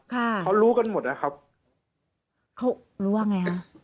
เขารู้กันหมดนะครับเขารู้ว่าไงฮะ